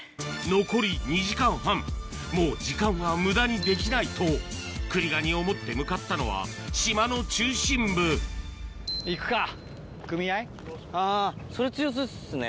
残り２時間半もう時間は無駄にできないとクリガニを持って向かったのは島の中心部あぁそれ強そうっすね。